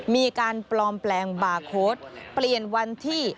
มีการปลอมแปลงบาร์โค้ดเปลี่ยนวันที่